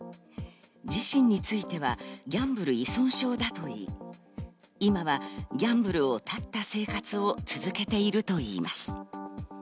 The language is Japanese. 自身についてはギャンブル依存症だといい、今はギャンブルを断った生活を続けているといいます。